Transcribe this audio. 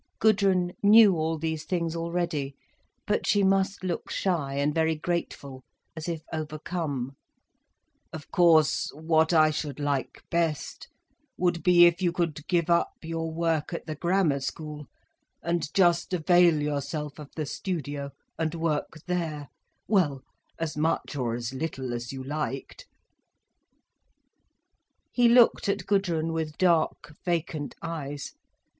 Gudrun knew all these things already, but she must look shy and very grateful, as if overcome. "Of course, what I should like best, would be if you could give up your work at the Grammar School, and just avail yourself of the studio, and work there—well, as much or as little as you liked—" He looked at Gudrun with dark, vacant eyes.